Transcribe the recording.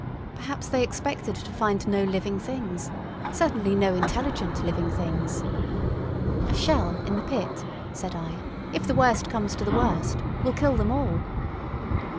Perhaps they expected to find no living things—certainly no intelligent living things." "A shell in the pit," said I, "if the worst comes to the worst, will kill them all."